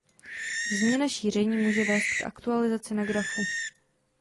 Změna šíření může vést k aktualizaci na grafu.